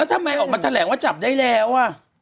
ทำไมออกมาแถลงว่าจับได้แล้ว